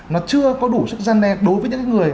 nó chưa có đủ sức gian đe đối với những người